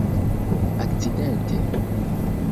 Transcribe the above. akcidente